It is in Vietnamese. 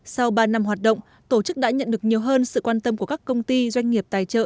sau ba năm hoạt động tổ chức đã nhận được nhiều hơn sự quan tâm của các công ty doanh nghiệp tài trợ